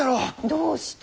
どうして？